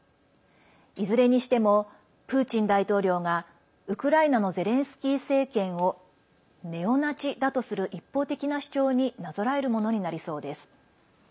いずれにしてもプーチン大統領がウクライナのゼレンスキー政権をネオナチだとする一方的な主張になぞらえるものになりそうです。